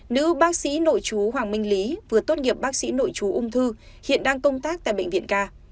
nữ bác sĩ nội chú hoàng minh lý vừa tốt nghiệp bác sĩ nội chú ung thư hiện đang công tác tại bệnh viện ca